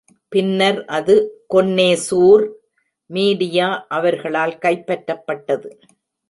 பின்னர் அது Connoisseur media அவர்களால் கைப்பற்றப்பட்டது.